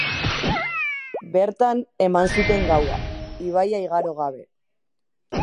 Bertan eman zuten gaua, ibaia igaro gabe.